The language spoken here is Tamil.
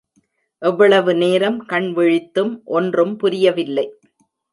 எவ்வளவு நேரம் கண் விழித்தும் ஒன்றும் புரியவில்லை.